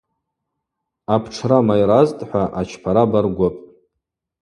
Аптшра майразтӏхӏва, ачпахра баргвыпӏ.